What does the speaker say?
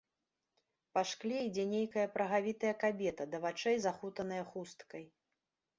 Па шкле ідзе нейкая прагавітая кабета, да вачэй захутаная хусткай.